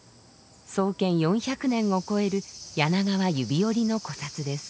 創建４００年をこえる柳川指折りの古刹です。